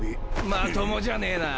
まともじゃねぇな。